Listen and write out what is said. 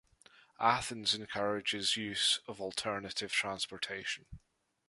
Athens encourages use of alternative transportation.